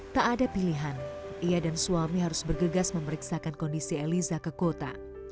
tak ada pilihan ia dan suami harus bergegas memeriksakan kondisi eliza ke kota